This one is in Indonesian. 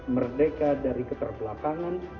merdeka dari keterpelakangan